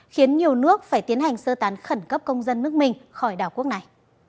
khiến nhiều nước phải tiến hành sơ tán khẩn cấp công dân nước mình khỏi đảo quốc này